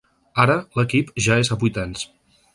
Ara, l’equip ja és a vuitens.